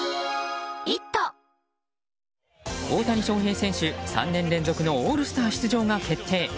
大谷翔平選手、３年連続のオールスター出場が決定。